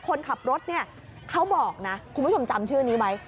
คนขับรถเนี่ยเขาบอกนะคุณผู้ชมจำชื่อนี้ไหม